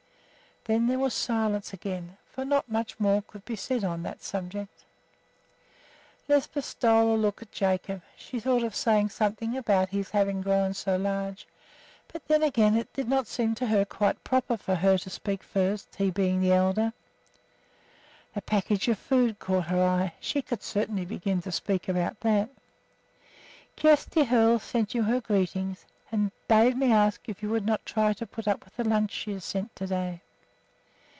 Then there was silence again, for not much more could be said on that subject. Lisbeth stole a look at Jacob. She thought of saying something about his having grown so large; but then again it did not seem to her quite proper for her to speak first, he being the elder. The package of food caught her eye, she could certainly begin to speak about that. "Kjersti Hoel sent you her greetings, and bade me ask if you would not try to put up with the lunch she has sent to day."